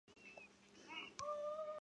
马尔坦瓦斯。